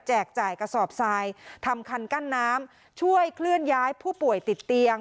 จ่ายกระสอบทรายทำคันกั้นน้ำช่วยเคลื่อนย้ายผู้ป่วยติดเตียง